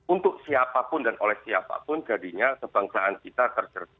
untuk siapapun dan oleh siapapun jadinya kebangsaan kita terjer